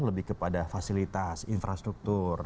lebih kepada fasilitas infrastruktur